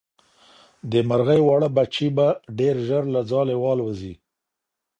د مرغۍ واړه بچي به ډېر ژر له ځالې والوځي.